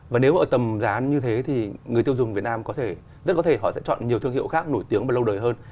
và nếu ở tầm giá như thế thì người tiêu dùng việt nam có thể rất có thể họ sẽ chọn nhiều thương hiệu khác nổi tiếng và lâu đời hơn